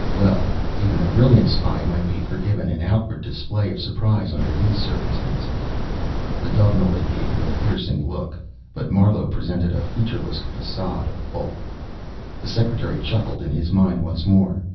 Well, even a brilliant spy might be forgiven an outward display of surprise under these circumstances. The Dovenilid gave him a piercing look, but Marlowe presented a featureless facade of bulk. The secretary chuckled in his mind once more.